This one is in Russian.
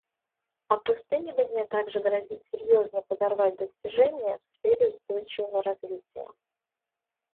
Опустынивание также грозит серьезно подорвать достижения в сфере устойчивого развития.